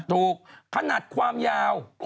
ถูกขนาดความยาว